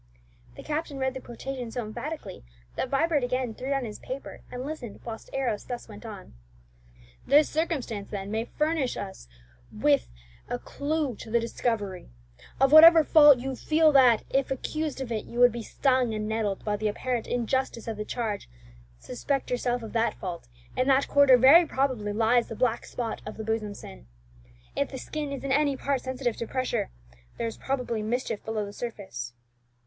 '" The captain read the quotation so emphatically that Vibert again threw down his paper, and listened whilst Arrows thus went on: "'This circumstance, then, may furnish us with a clue to the discovery: of whatever fault you feel that, if accused of it, you would be stung and nettled by the apparent injustice of the charge, suspect yourself of that fault, in that quarter very probably lies the black spot of the bosom sin. If the skin is in any part sensitive to pressure, there is probably mischief below the surface.'"